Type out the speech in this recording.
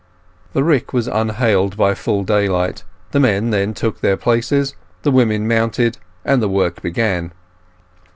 The rick was unhaled by full daylight; the men then took their places, the women mounted, and the work began.